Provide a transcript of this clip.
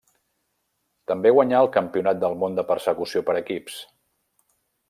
També guanyà el Campionat del món de Persecució per equips.